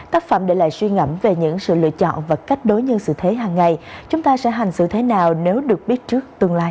tác phẩm để lại suy ngẫm về những sự lựa chọn và cách đối nhân sự thế hàng ngày chúng ta sẽ hành xử thế nào nếu được biết trước tương lai